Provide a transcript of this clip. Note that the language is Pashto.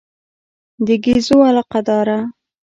د ګېزو علاقه داره.